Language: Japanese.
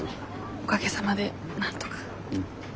おかげさまでなんとか。